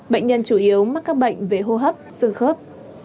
bệnh nhân chủ yếu mắc các bệnh về hô hấp sư khớp